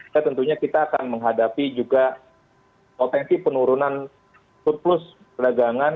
dan tentunya kita akan menghadapi juga potensi penurunan putus perdagangan